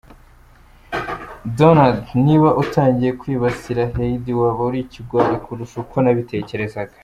Donald niba utangiye kwibasira Heidi, waba uri ikigwari kurusha uko nabitekerezaga.